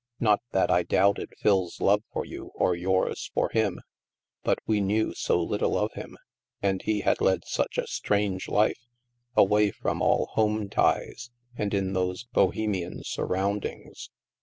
Not that I doubted Phil's love for you, or yours for him. But we knew so little of him. And he had led such a strange life, away from all home ties, and in those Bohemian surroundings.